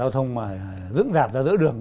đào thông mà dưỡng dạt ra giữa đường